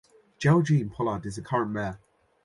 Gerald Gene Pollard is the current mayor.